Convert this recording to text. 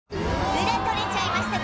『ウラ撮れちゃいました』